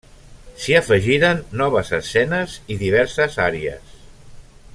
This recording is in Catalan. S'hi afegiren noves escenes i diverses àries.